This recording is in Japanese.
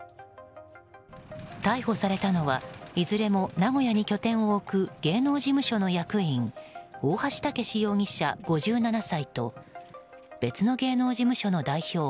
逮捕されたのはいずれも名古屋に拠点を置く芸能事務所の役員大橋剛容疑者、５７歳と別の芸能事務所の代表